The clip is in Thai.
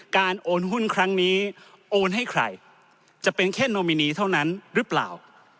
โอนหุ้นครั้งนี้โอนให้ใครจะเป็นแค่โนมินีเท่านั้นหรือเปล่า